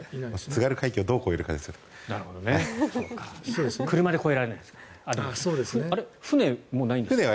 津軽海峡をどう越えるかですね。